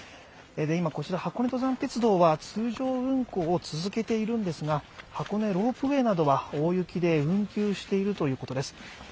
今、こちら、箱根登山鉄道は通常運行を続けているんですが箱根ロープウェイなどは大雪で運休しているということです。